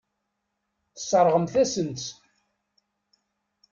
Tesseṛɣemt-asen-tt.